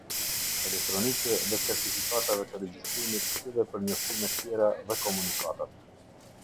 Elektronike dhe certifikatave të regjistrimit, si dhe për njoftimet tjera dhe komunikatat.